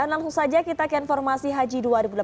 dan langsung saja kita ke informasi haji dua ribu delapan belas